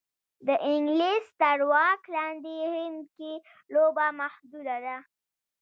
د انګلیس تر واک لاندې هند کې لوبه محدوده ده.